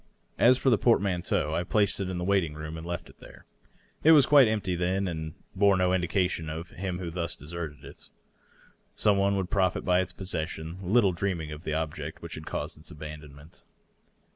As for •DOUGLAS DUANE. 609 the portmanteau^ I placed it in the waiting room and left it there. It was quite empty, then, and bore no indication of him who thus de serted it. Some one would profit by its possession, little dreaming of the object which had caused its abandonment.